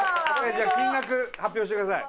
じゃあ金額発表してください。